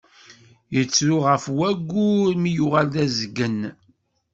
Yettru ɣef wayyur mi yuɣal d azgen.